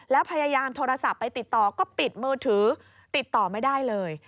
แล้วพยายามโทรศัพท์ไปติดต่อก็ปิดมือถือติดต่อไม่ได้เลย